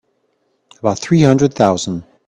About three hundred thousand.